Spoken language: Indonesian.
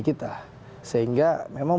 kita sehingga memang